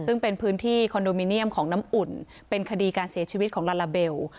ซึ่งเป็นพื้นที่คอนโดมิเนียมของน้ำอุ่นเป็นคดีการเสียชีวิตของลาลาเบล